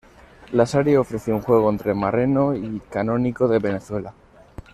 La serie ofreció un juego entre Marrero y Canónico de Venezuela.